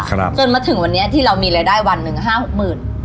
จนมาถึงวันนี้ที่เรามีรายได้วันหนึ่งห้าหกหมื่น